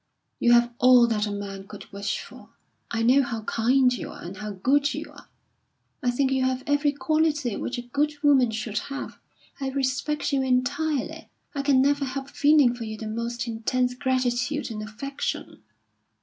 You have all that a man could wish for. I know how kind you are, and how good you are. I think you have every quality which a good woman should have. I respect you entirely; I can never help feeling for you the most intense gratitude and affection."